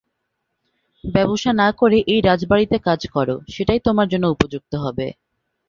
ব্যবসা না করে এই রাজবাড়িতে কাজ করো, সেটাই তোমার জন্য উপযুক্ত হবে।